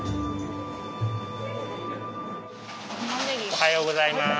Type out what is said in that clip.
おはようございます。